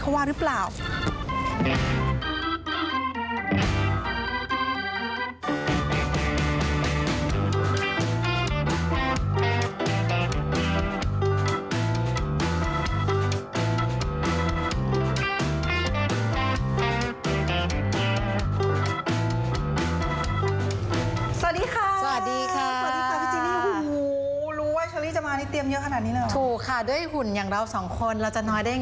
กำหนดปิดภูมิแป๊บหนึ่ง